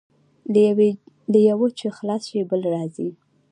له یوه چې خلاص شې، بل راځي.